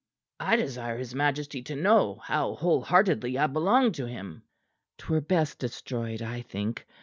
"I desire his majesty to know how whole heartedly I belong to him." "'Twere best destroyed, I think.